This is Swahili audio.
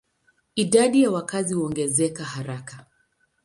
Idadi ya wakazi huongezeka haraka.